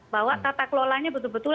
bahwa tata kelolanya betul betul